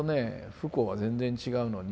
不幸は全然違うのに。